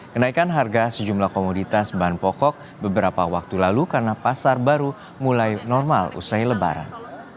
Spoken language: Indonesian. kenaikan harga sejumlah komoditas bahan pokok beberapa waktu lalu karena pasar baru mulai normal usai lebaran